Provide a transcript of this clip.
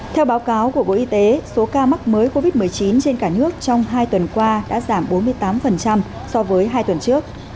theo báo cáo của bộ y tế số ca mắc mới covid một mươi chín trên cả nước trong hai tuần qua đã giảm bốn mươi tám so với hai tuần trước